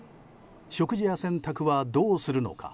食事や洗濯はどうするのか。